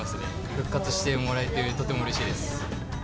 復活してもらえて、とてもうれしいです。